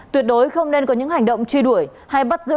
tuyệt đối không nên có những hành động truy đuổi hay bắt giữa các đối tượng